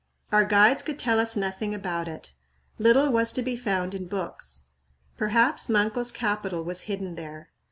Our guides could tell us nothing about it. Little was to be found in books. Perhaps Manco's capital was hidden there.